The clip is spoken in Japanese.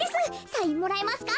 サインもらえますか？